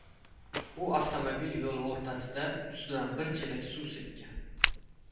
U avtomobil yo‘li o‘rtasida ustidan bir chelak suv sepgan